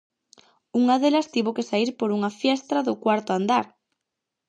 Unha delas tivo que saír por unha fiestra do cuarto andar.